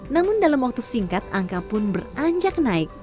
namun dalam waktu singkat angka pun beranjak naik